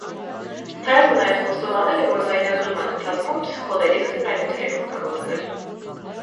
Սթայլզը նաև խոստովանել է, որ ձայնագրման ընթացքում փսիխոդելիկ թմրանյութեր է օգտագործել։